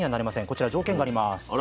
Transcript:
こちら条件があります。